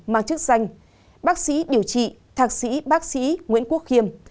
mang chức danh bác sĩ điều trị thạc sĩ bác sĩ nguyễn quốc khiêm